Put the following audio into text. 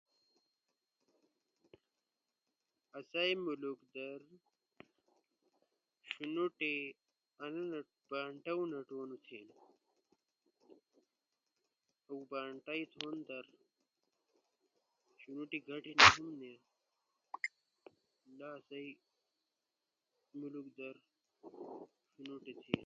آسئی ملک در شنوٹی انا نٹونونو تھینا، بانٹئی نٹونو تھینا، اؤ بانٹئی تھونو در شنوٹی گٹو نٹونو تھینا۔ لا اسئی ملک در شنوٹی تھینا۔